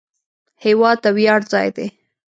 هېواد د ویاړ ځای دی.